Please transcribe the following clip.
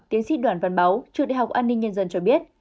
tiến sĩ đoàn văn báu trường đại học an ninh nhân dân cho biết